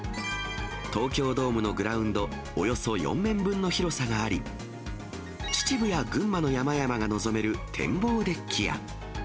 東京ドームのグラウンドおよそ４面分の広さがあり、秩父や群馬の山々が望める展望デッキや。